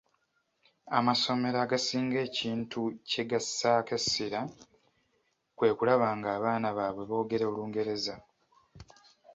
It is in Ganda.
Amasomero agasinga ekintu kyegassaako essira kwe kulaba nga abaana baabwe boogera Olungereza.